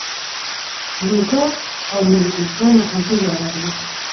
یوګا او میډیټیشن له همدې ځایه راغلي.